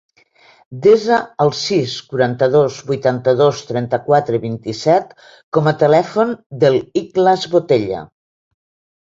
Desa el sis, quaranta-dos, vuitanta-dos, trenta-quatre, vint-i-set com a telèfon de l'Ikhlas Botella.